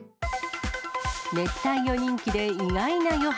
熱帯魚人気で意外な余波。